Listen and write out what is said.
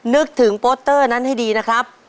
นึกถึงโปสเตอร์นั้นให้ดีนะครับ